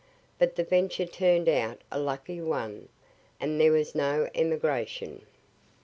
But the venture turn'd out a lucky one, and there was no emigration.